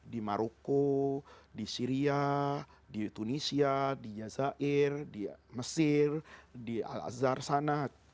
di maroko di syria di tunisia di jazair di mesir di al azhar sana